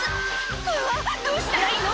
「うわどうしたらいいの？